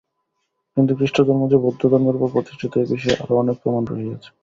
কিন্তু খ্রীষ্টধর্ম যে বৌদ্ধধর্মের উপর প্রতিষ্ঠিত, এই বিষয়ে আরও অনেক প্রমাণ রহিয়াছে।